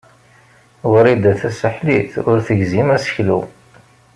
Wrida Tasaḥlit ur tegzim aseklu.